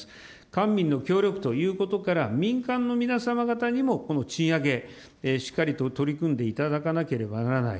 官民の協力ということから、民間の皆様方にもこの賃上げ、しっかりと取り組んでいただかなければならない。